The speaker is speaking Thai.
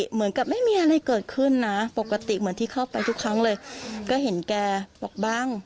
เหมือนที่เข้าไปทุกครั้งเลยก็เห็นแกบอกบ้าง